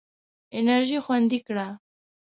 انرژي خوندي کړه.